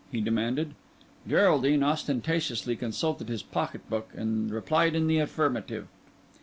he demanded. Geraldine ostentatiously consulted his pocket book, and replied in the affirmative.